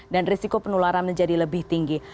dan risiko penularan menjadi lebih tinggi